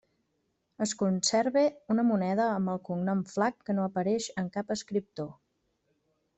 Es conserva una moneda amb el cognom Flac que no apareix en cap escriptor.